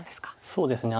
そうですね。